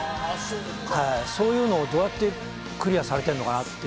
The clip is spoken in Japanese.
そういうのをどうやってクリアされてるのかなって。